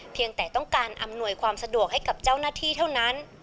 เพียงแต่ต้องการอำนวยความสะดวกให้กับเจ้าหน้าที่เท่านั้น